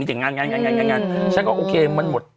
อย่างงานฉันก็โอเคมันหมด